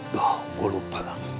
duh gue lupa